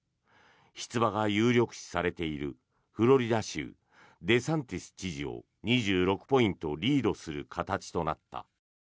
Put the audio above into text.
出馬が有力視されているフロリダ州、デサンティス知事を２６ポイントリードする形となった。